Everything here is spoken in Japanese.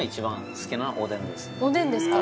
おでんですか！